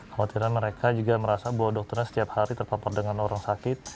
khawatiran mereka juga merasa bahwa dokternya setiap hari terpapar dengan orang sakit